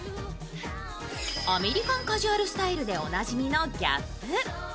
アメリカンカジュアルスタイルでおなじみのＧＡＰ。